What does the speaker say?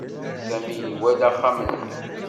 Sami iwala axxam-nni.